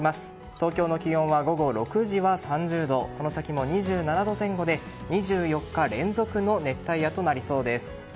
東京の気温は午後６時は３０度その先も２７度前後で２４日連続の熱帯夜となりそうです。